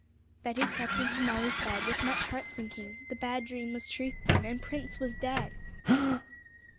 Betty crept into Molly's bed, with much heart sinking; the bad dream was truth then, and Prince was dead!